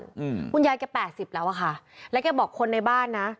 อืมคุณยายแกแปดสิบแล้วอ่ะค่ะแล้วแกบอกคนในบ้านนะ